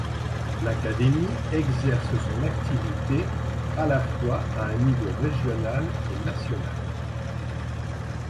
L'Académie exerce son activité à la fois à un niveau régional et national.